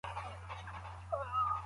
يا نه ورپريښوول کيږي.